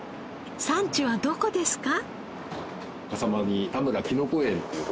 産地はどこですか？